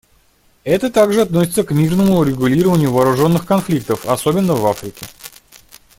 Это также относится к мирному урегулированию вооруженных конфликтов, особенно в Африке.